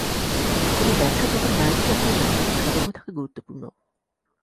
কোনো ব্যাখ্যা যখন "ন্যায়বিচার" হয় না, তখন সতর্ক থাকা গুরুত্বপূর্ণ।